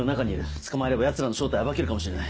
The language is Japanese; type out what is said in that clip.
捕まえればヤツらの正体を暴けるかもしれない。